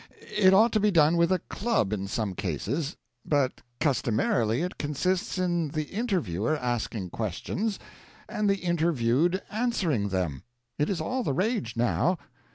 It ought to be done with a club in some cases; but customarily it consists in the interviewer asking questions and the interviewed answering them. It is all the rage now.